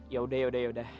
yaudah yaudah yaudah